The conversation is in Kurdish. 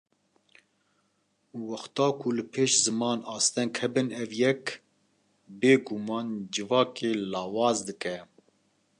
Wexta ku li pêş ziman asteng hebin ev yek, bêguman civakê lawaz dike